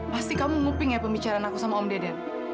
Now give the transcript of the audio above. pasti kamu nguping ya pembicaraan aku sama om deden